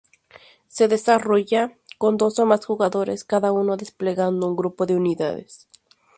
Se desarrolla con dos o más jugadores, cada uno desplegando un grupo de unidades.